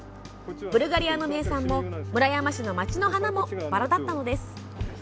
ブルガリアの名産も、村山市の町の花もバラだったのです。